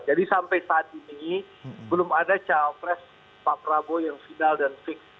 jadi sampai saat ini belum ada cawapres pak prabowo yang final dan fix